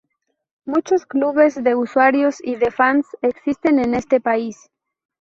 Muchos clubes de usuarios y de fans existen en este país.